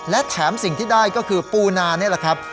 และแถมสิ่งที่ได้ก็คือปูนานี่แหละครับ